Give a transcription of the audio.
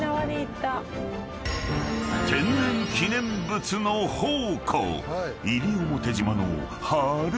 ［天然記念物の宝庫］